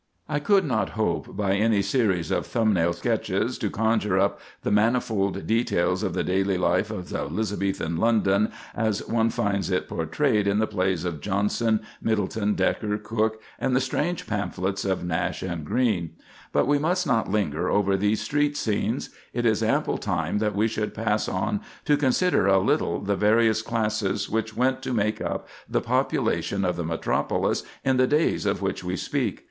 I could not hope by any series of thumbnail sketches to conjure up the manifold details of the daily life of Elizabethan London as one finds it portrayed in the plays of Jonson, Middleton, Dekker, Cooke, and the strange pamphlets of Nash and Greene. But we must not linger over these street scenes. It is ample time that we should pass on to consider a little the various classes which went to make up the population of the metropolis in the days of which we speak.